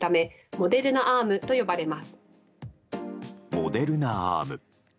モデルナ・アーム。